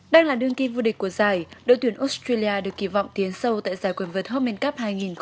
đang là đương kim vô địch của giải đội tuyển australia được kỳ vọng tiến sâu tại giải quân vật hoffman cup hai nghìn một mươi bảy